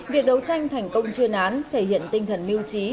việc đấu tranh thành công chuyên án thể hiện tinh thần mưu trí